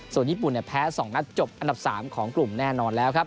ส่วนญี่ปุ่นแพ้๒นัดจบอันดับ๓ของกลุ่มแน่นอนแล้วครับ